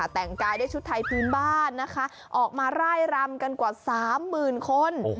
แต่งกายได้ชุดไทยภูมิบ้านออกมาร่ายรำกันกว่า๓๐๐๐๐คน